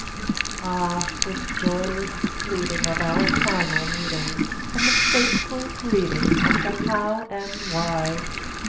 Ah, the joyless fleeting Of our primal meeting, And the fateful greeting Of the How and Why!